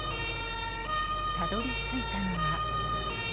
たどり着いたのは。